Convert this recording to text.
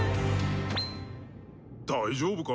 大丈夫か？